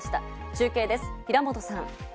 中継です、平本さん。